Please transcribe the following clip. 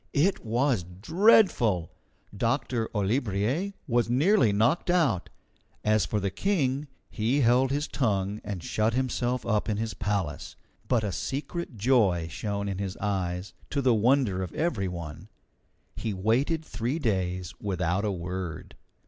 It was dreadful! Doctor Olibriers was nearly knocked out. As for the King, he held his tongue and shut himself up in his palace, but a secret joy shone in his eyes, to the wonder of every one. He waited three days without a word.